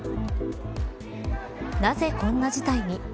なぜこんな事態に。